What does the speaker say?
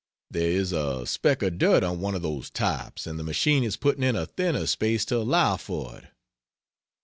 There is a speck of dirt on one of those types, and the machine is putting in a thinner space to allow for it!"